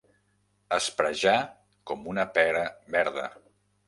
Asprejar com una pera verda.